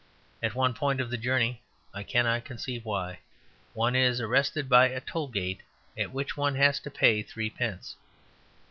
At one point of the journey (I cannot conceive why) one is arrested by a toll gate at which one has to pay threepence.